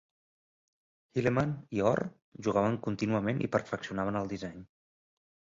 Hilleman i Orr jugaven contínuament i perfeccionaven el disseny.